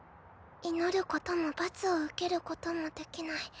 祈ることも罰を受けることもできない。